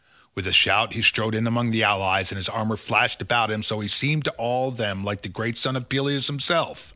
With a shout he strode in among the allies, and his armour flashed about him so that he seemed to all of them like the great son of Peleus himself.